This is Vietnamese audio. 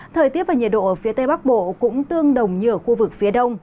thời tiết và nhiệt độ ở phía tây bắc bộ cũng tương đồng như ở khu vực phía đông